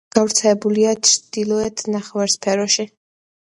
გავრცელებულია ჩრდილოეთ ნახევარსფეროში.